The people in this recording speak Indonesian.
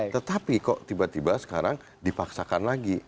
tetapi kok tiba tiba sekarang dipaksakan lagi